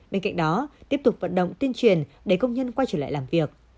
bên cạnh đó tiếp tục vận động tuyên truyền để công nhân quay trở lại làm việc